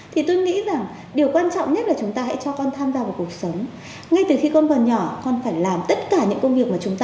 thì tôi nghĩ rằng